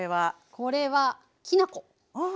これはきな粉です。